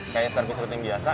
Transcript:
kayak start up seperti yang biasa